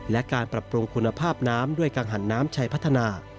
และการปรับปรุงคุณภาพน้ำด้วยกังหันน้ำชัยพัฒนา